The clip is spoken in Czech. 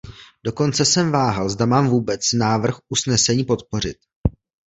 Dokonce jsem váhal, zda mám vůbec návrh usnesení podpořit.